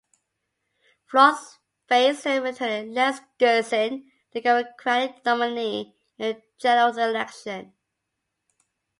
Flores faced veterinarian Les Gerson, the Democratic nominee, in the general election.